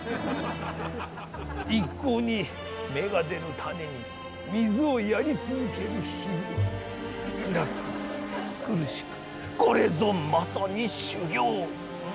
一向に芽が出ぬ種に水をやり続ける日々はつらく苦しくこれぞまさに修行！